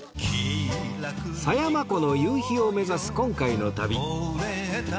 狭山湖の夕日を目指す今回の旅